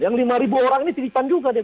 yang lima ribu orang ini titipan juga